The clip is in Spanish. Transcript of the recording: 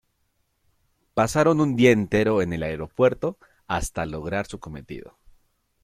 Pasaron un día entero en el aeropuerto hasta lograr su cometido.